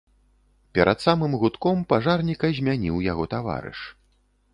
Перад самым гудком пажарніка змяніў яго таварыш.